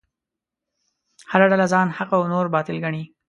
هره ډله ځان حق او نور باطل ګڼي.